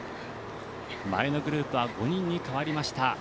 前のグループは５人に変わりました。